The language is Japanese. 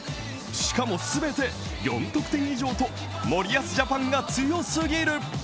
しかも全て４得点以上と森保ジャパンが強すぎる。